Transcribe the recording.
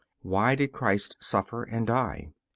Why did Christ suffer and die?